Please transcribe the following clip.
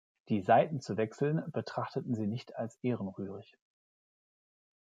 Die Seiten zu wechseln betrachteten sie nicht als ehrenrührig.